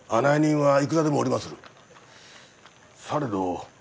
はい。